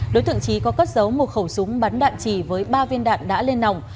đối tượng trí có cất giấu một khẩu súng bắn đạn trì với ba viên đạn đã lên nòng